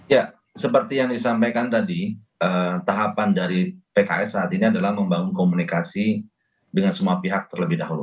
ya seperti yang disampaikan tadi tahapan dari pks saat ini adalah membangun komunikasi dengan semua pihak terlebih dahulu